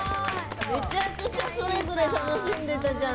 めちゃくちゃそれぞれ楽しんでたじゃん。